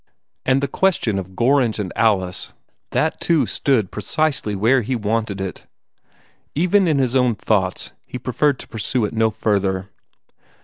And the question of Gorringe and Alice, that too stood precisely where he wanted it. Even in his own thoughts, he preferred to pursue it no further.